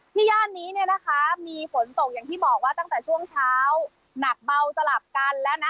ย่านนี้เนี่ยนะคะมีฝนตกอย่างที่บอกว่าตั้งแต่ช่วงเช้าหนักเบาสลับกันแล้วนะ